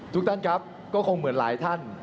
ทุกท่านครับก็คงเหมือนหลายท่าน